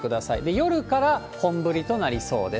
夜から本降りとなりそうです。